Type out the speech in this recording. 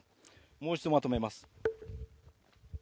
もう一度まとめます。